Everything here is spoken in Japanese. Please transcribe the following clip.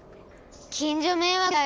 近所迷惑だよ。